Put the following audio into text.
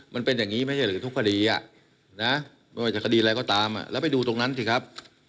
มันจะคดีอะไรก็ตามแล้วไปดูตรงนั้นสิครับ